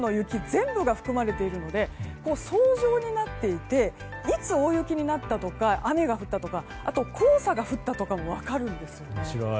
全部が含まれていますので層状になっていていつ大雪になったとか雨が降ったとかあと黄砂が降ったとかも分かるんですね。